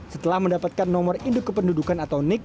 setelah mendapatkan nomor induk kependudukan atau nik